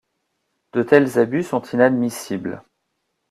De tels abus sont inadmissibles.